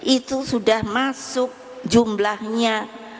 itu sudah masuk jumlahnya